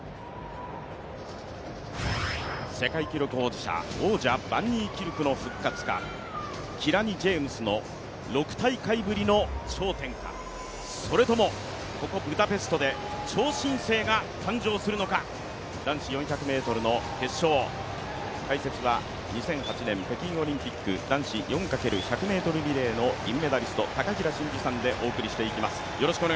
世界記録保持者、王者バンニーキルクの復活か、キラニ・ジェームスの６大会ぶりの頂点かそれともここブダペストで超新星が誕生するのか、男子４００ｍの決勝、解説は２００８年北京オリンピック男子４×１００ｍリレー銀メダリスト、高平慎士さんでお送りしてきます。